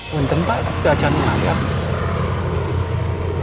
bukan tempat itu aja rumah